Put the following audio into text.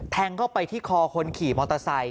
เข้าไปที่คอคนขี่มอเตอร์ไซค